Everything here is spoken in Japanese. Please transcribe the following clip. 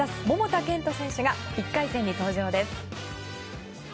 桃田賢斗選手が１回戦に登場です。